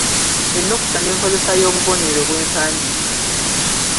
Ennukuta n’enkozesa y’obubonero bw’empandiika.